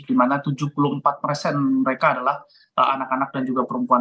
dimana tujuh puluh empat mereka adalah anak anak dan juga perempuan